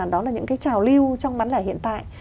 đó là những cái trào lưu trong bán lẻ hiện tại